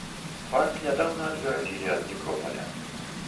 Парк нядаўна адгарадзілі ад некропаля.